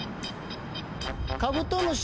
カブトムシ。